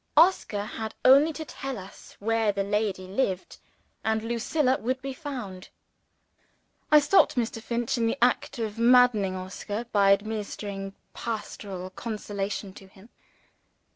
Oscar had only to tell us where the lady lived and Lucilla would be found! I stopped Mr. Finch, in the act of maddening Oscar by administering pastoral consolation to him.